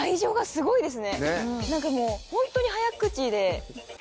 何かもうホントに。